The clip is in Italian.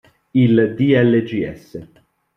Il dlgs.